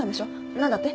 何だって？